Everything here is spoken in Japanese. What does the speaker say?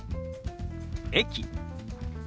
「駅」。